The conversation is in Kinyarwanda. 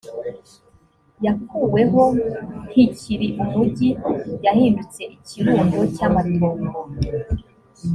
yakuweho ntikiri umugi yahindutse ikirundo cy amatongo